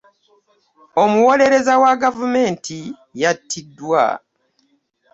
Omuwolereza wa Gavumenti yattiddwa